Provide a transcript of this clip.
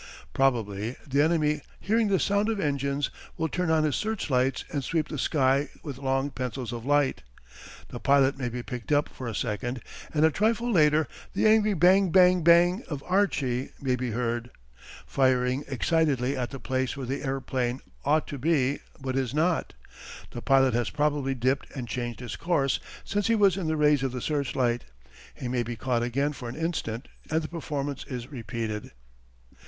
Probably the enemy, hearing the sound of engines, will turn on his searchlights and sweep the sky with long pencils of light. The pilot may be picked up for a second, and a trifle later the angry bang, bang, bang of "Archie" may be heard, firing excitedly at the place where the aeroplane ought to be but is not the pilot has probably dipped and changed his course since he was in the rays of the searchlight. He may be caught again for an instant and the performance is repeated.